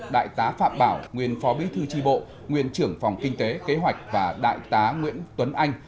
đại tá phạm bảo nguyên phó bí thư tri bộ nguyên trưởng phòng kinh tế kế hoạch và đại tá nguyễn tuấn anh